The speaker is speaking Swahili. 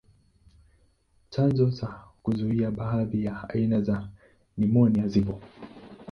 Chanjo za kuzuia baadhi ya aina za nimonia zipo.